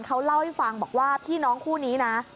เขาเล่าให้ฟังบอกว่าพี่น้องคู่นี้นะ